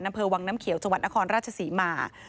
อำเภอวังน้ำเขียวจังหวัดนครราชศรีมา